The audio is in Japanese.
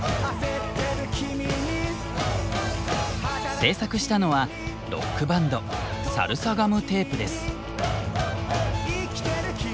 制作したのはロックバンドサルサガムテープです。